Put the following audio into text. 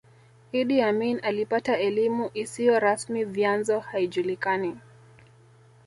Idi Amin alipata elimu isiyo rasmi vyanzo haijulikani